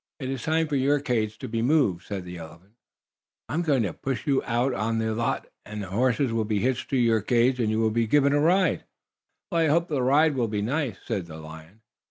"It is time for your cage to be moved," said the elephant. "I am going to push you out on the lot, and there horses will be hitched to your cage and you will be given a ride." "Well, I hope the ride will be nice," said the lion.